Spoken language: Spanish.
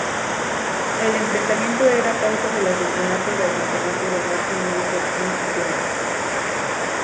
El enfrentamiento era a causa del asesinato de Asesinato de Martin Luther King, Jr.